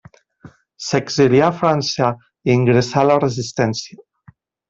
S'exilià a França i ingressà a la Resistència.